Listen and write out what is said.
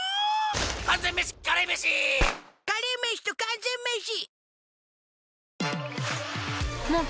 完全メシカレーメシカレーメシと完全メシ